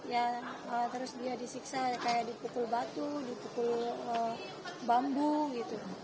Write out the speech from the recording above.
ya terus dia disiksa kayak dipukul batu dipukul bambu gitu